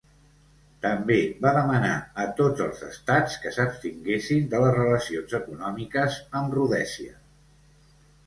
També va demanar a tots els estats que s'abstinguessin de les relacions econòmiques amb Rhodèsia.